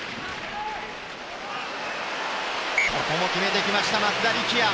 ここも決めてきました松田力也。